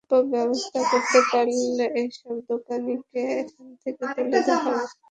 বিকল্প ব্যবস্থা করতে পারলে এসব দোকানিকে এখান থেকে তুলে দেওয়া হবে।